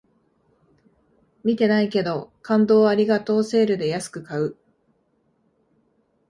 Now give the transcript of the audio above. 見てないけど、感動をありがとうセールで安く買う